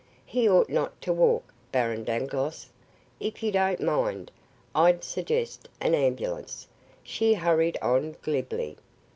He ought not to walk, Baron Dangloss. If you don't mind, I'd suggest an ambulance," she hurried on glibly.